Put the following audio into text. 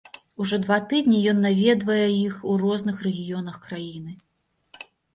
Ужо два тыдні ён наведвае іх у розных рэгіёнах краіны.